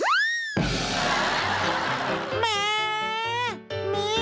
มีดีมาก